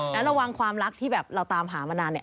แล้วระวังความรักที่แบบเราตามหามานานเนี่ย